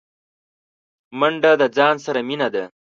منډه د ځان سره مینه ده